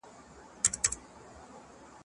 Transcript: زه اوږده وخت سبزېجات وچوم وم.